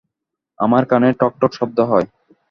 আমার কানে ঠক ঠক শব্দ হয়।